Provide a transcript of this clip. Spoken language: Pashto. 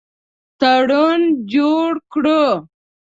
تړون جوړ کړو.